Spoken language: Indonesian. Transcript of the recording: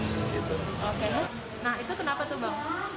nah itu kenapa tuh bang